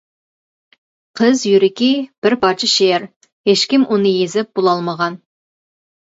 قىز يۈرىكى بىر پارچە شېئىر ھېچكىم ئۇنى يېزىپ بولالمىغان.